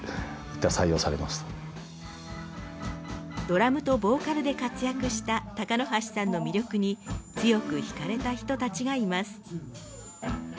ドラムとボーカルで活躍した鷹箸さんの魅力に強くひかれた人たちがいます。